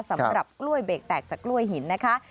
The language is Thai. สำหรับกล้วยเบรกแตกจากกล้วยหินนะคะ